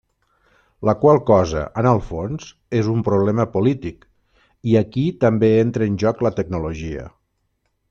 La qual cosa, en el fons, és un problema polític, i aquí també entra en joc la tecnologia.